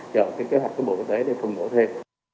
chọn cái kế hoạch của bộ y tế để phân bổ thêm